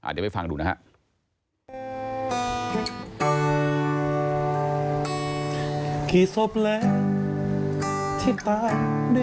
กลับไปฟังดูนะครับ